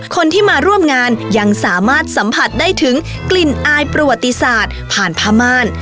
คนที่มาร่วมงานยังสามารถสัมผัสได้ถึงกลิ่นอายประวัติศาสตร์ผ่านพม่าน